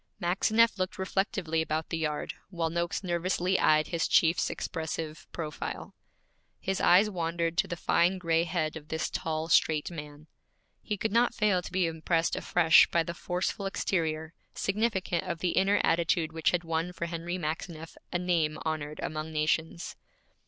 Maxineff looked reflectively about the yard, while Noakes nervously eyed his chief's expressive profile. His eyes wandered to the fine gray head of this tall, straight man. He could not fail to be impressed afresh by the forceful exterior, significant of the inner attitude which had won for Henry Maxineff a name honored among nations.